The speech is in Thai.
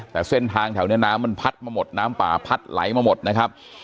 แต่เส้นทางแถวนี้น้ำมันพัดมาหมดน้ำป่าพัดไหลมาหมดนะครับ